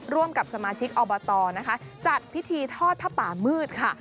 ร่วมกับสมาชิกอบตนะคะจัดพิธีทอดผ้าป่ามืดค่ะ